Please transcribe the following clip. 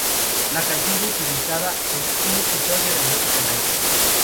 La canción fue utilizada en un episodio de American Idol.